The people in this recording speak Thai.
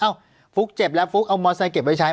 ฟุ๊กเจ็บแล้วฟุ๊กเอามอเซเก็บไว้ใช้